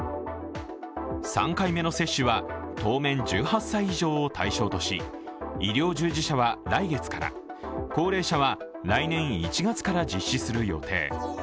３回目の接種は当面、１８歳以上を対象とし医療従事者は来月から、高齢者は来年１月から実施する予定。